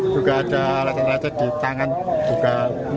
juga ada retak retak di tangan juga